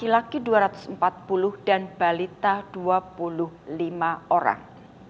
yang terdiri dari perempuan dua ratus tujuh puluh tiga laki laki dua ratus empat puluh dan balita dua puluh lima orang